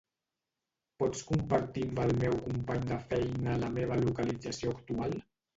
Pots compartir amb el meu company de feina la meva localització actual?